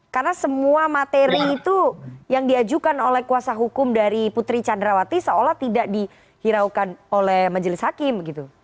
karena semua materi itu yang diajukan oleh kuasa hukum dari putri candrawati seolah tidak dihiraukan oleh majelis hakim